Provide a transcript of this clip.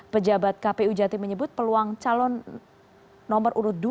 pejabat kpu jatim menyebut peluang calon nomor urut dua